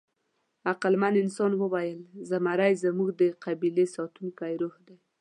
عقلمن انسان وویل: «زمری زموږ د قبیلې ساتونکی روح دی».